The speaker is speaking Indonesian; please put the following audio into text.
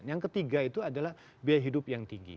yang ketiga itu adalah biaya hidup yang tinggi